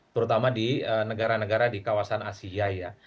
terutama di negara negara di kawasan asia ya